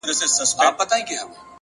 روښانه ذهن د ګډوډۍ لاره بندوي.